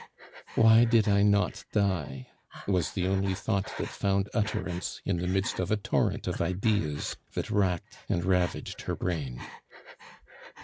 "Why did I not die!" was the only thought that found utterance in the midst of a torrent of ideas that racked and ravaged her brain.